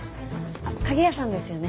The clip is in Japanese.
あっ鍵屋さんですよね？